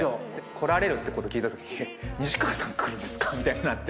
来られるってことを聞いたとき西川さん来るんですかみたいになって。